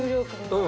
うん。